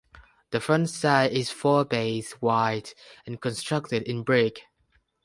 The front side is four bays wide and constructed in brick.